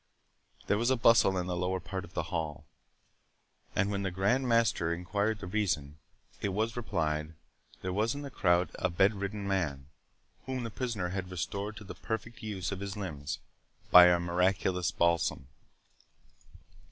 There was a bustle in the lower part of the hall, and when the Grand Master enquired the reason, it was replied, there was in the crowd a bedridden man, whom the prisoner had restored to the perfect use of his limbs, by a miraculous balsam.